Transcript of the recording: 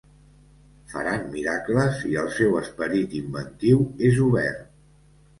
Faran miracles i el seu esperit inventiu és obert.